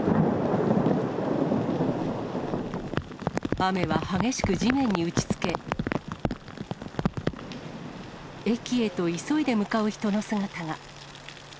雨は激しく地面に打ちつけ、駅へと急いで向かう人の姿が。